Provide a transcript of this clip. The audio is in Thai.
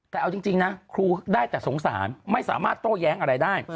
แต่เอาจริงนะครูได้แต่สงสารไม่สามารถโต้แย้งอะไรได้